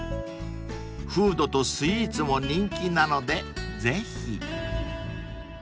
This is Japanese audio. ［フードとスイーツも人気なのでぜひ］